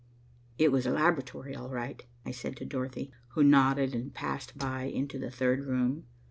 "It was a laboratory, all right," I said to Dorothy, who nodded and passed by into the third room.